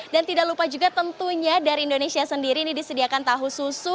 dan tidak lupa juga tentunya dari indonesia sendiri ini disediakan tahu susu